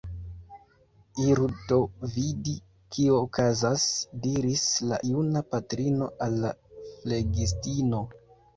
Iru do vidi, kio okazas, diris la juna patrino al la flegistino.